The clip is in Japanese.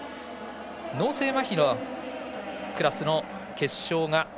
脳性まひのクラスの決勝。